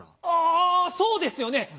ああそうですよね。